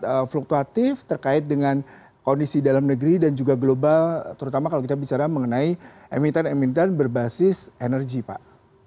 seberapa fluktuatif terkait dengan kondisi dalam negeri dan juga global terutama kalau kita bicara mengenai emiten emiten berbasis energi pak